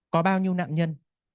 có bao nhiêu nạn nhân